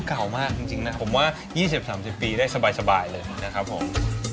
เก่ามากจริงนะผมว่า๒๐๓๐ปีได้สบายเลยนะครับผม